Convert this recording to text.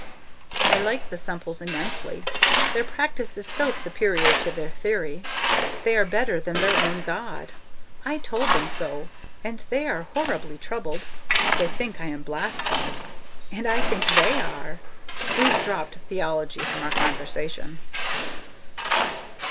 I like the Semples immensely; their practice is so superior to their theory. They are better than their own God. I told them so and they are horribly troubled. They think I am blasphemous and I think they are! We've dropped theology from our conversation.